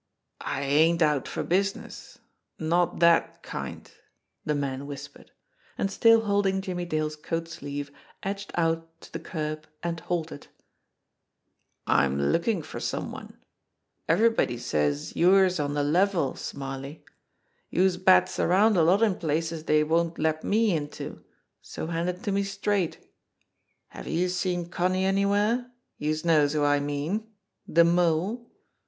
"I ain't out for business not dat kind," the man whispered r and still holding Jimmie Dale's coat sleeve, edged out to the curb and halted. "I'm lookin' for some one. Every body says youse're on de level, Smarly. Youse bats around a lot in places dey won't let me into, so hand it to me straight. Have youse seen Connie anywhere, youse knows who I mean, deMole?"